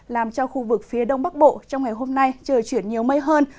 làm cho khu vực phía đông bắc bộ trong ngày hôm nay trời chuyển nhiều mây hơn